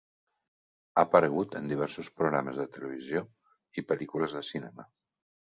Ha aparegut en diversos programes de televisió i pel·lícules de cinema.